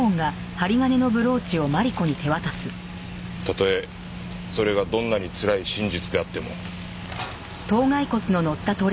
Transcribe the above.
たとえそれがどんなにつらい真実であっても。